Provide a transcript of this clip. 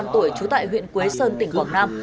hai mươi năm tuổi trú tại huyện quế sơn tỉnh quảng nam